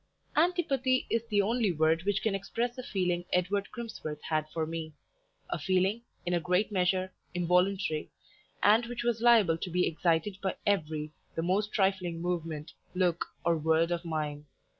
Antipathy is the only word which can express the feeling Edward Crimsworth had for me a feeling, in a great measure, involuntary, and which was liable to be excited by every, the most trifling movement, look, or word of mine.